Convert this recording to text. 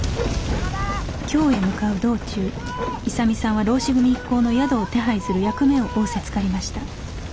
京へ向かう道中勇さんは浪士組一行の宿を手配する役目を仰せつかりました。